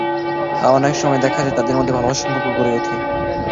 হ্যাঁ, অনেক সময় দেখা যায়, তাদের মধ্যে ভালোবাসার সম্পর্ক গড়ে ওঠে।